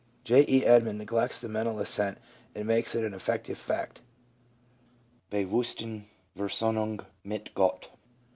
J. E. Edman neglects the mental assent and makes it an affective fact, "Bewusstsein der Versd7mung mit Gott."